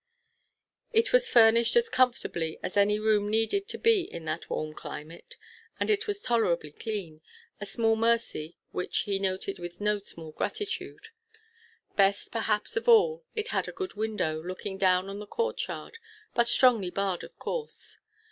It was furnished as comfortably as any room needed to be in that warm climate; and it was tolerably clean, a small mercy which he noted with no small gratitude. Best perhaps of all, it had a good window, looking down on the courtyard, but strongly barred, of course.